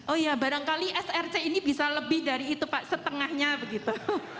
oh iya barangkali src ini bisa lebih dari itu pak setengahnya begitu